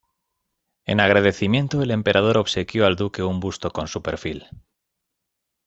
En agradecimiento el emperador obsequió al duque un busto con su perfil.